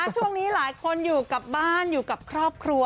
ช่วงนี้หลายคนอยู่กับบ้านอยู่กับครอบครัว